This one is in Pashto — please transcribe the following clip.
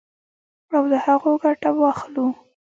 او له هغو ګټه واخلو.